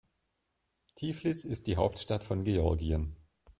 Tiflis ist die Hauptstadt von Georgien.